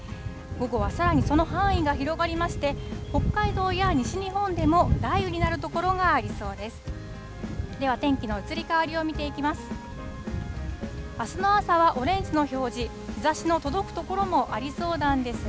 午後はさらにその範囲が広がりまして、北海道や西日本でも雷雨になる所がありそうです。